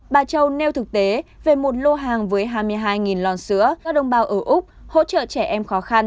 bà châu nêu thực tế về một lô hàng với hai mươi hai lò sữa các đồng bào ở úc hỗ trợ trẻ em khó khăn